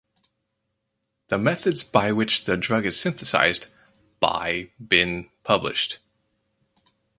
The methods by which the drug is synthesized by been published.